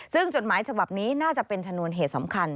ซึ่งจดหมายฉบับนี้น่าจะเป็นชนวนเหตุสำคัญ